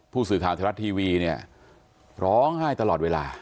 ผู้สื่อข่าวไทยรัฐทีวีเนี่ยร้องไห้ตลอดเวลา